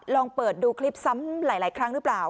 ลองเปิดดูคลิปซ้ำหลายครั้งหรือเปล่า